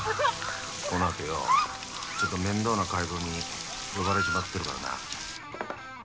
このあとようちょっと面倒な会合に呼ばれちまってるからな。